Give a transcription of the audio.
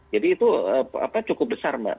jadi itu cukup besar mbak